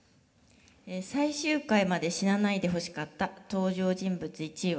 「最終回まで死なないでほしかった登場人物１位は」。